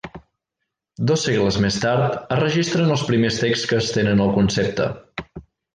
Dos segles més tard, es registren els primers texts que estenen el concepte.